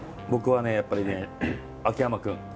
僕はね、やっぱり秋山君。